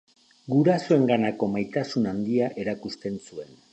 Gurasoenganako maitasun handia erakusten zuen.